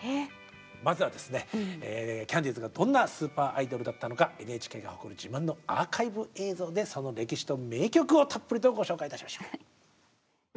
まずはですねキャンディーズがどんなスーパーアイドルだったのかＮＨＫが誇る自慢のアーカイブ映像でその歴史と名曲をたっぷりとご紹介いたしましょう。